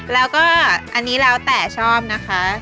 แล้วก็อันนี้แล้วแต่ชอบนะคะ